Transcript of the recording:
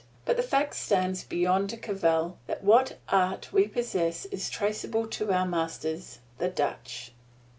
But the fact stands beyond cavil that what art we possess is traceable to our masters, the Dutch.